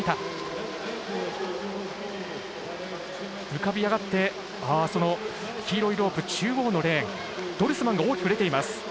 浮かび上がって黄色いロープ中央のレーンドルスマンが大きく出ています。